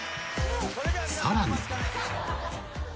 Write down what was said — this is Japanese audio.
［さらに］